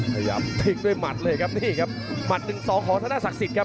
พยายามทิ้งด้วยหมัดเลยครับนี่ครับหมัดหนึ่งสองของธนศักดิ์สิทธิ์ครับ